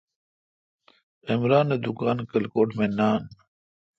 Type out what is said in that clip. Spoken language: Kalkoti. عمران اے° دکان کلکوٹ مے نان۔